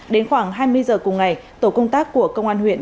đến khoảng hai mươi giờ cùng ngày tổ công tác của công an huyện